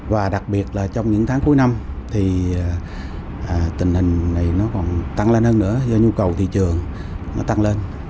và đặc biệt là trong những tháng cuối năm thì tình hình này nó còn tăng lên hơn nữa do nhu cầu thị trường nó tăng lên